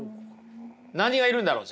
何がいるんだろう？